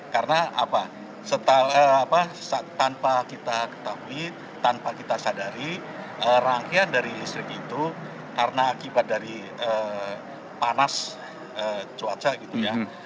karena tanpa kita ketahui tanpa kita sadari rangkaian dari listrik itu karena akibat dari panas cuaca gitu ya